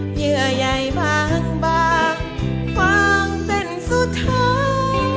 เหยื่อใหญ่บางบางเส้นสุดท้าย